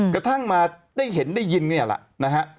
กระทั่งมาได้เห็นได้ยินนี่แหละนะฮะ